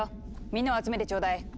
みんなを集めてちょうだい！